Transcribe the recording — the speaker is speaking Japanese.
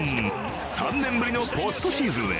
３年ぶりのポストシーズンへ。